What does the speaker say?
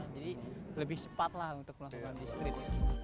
jadi lebih cepat lah untuk melakukan di street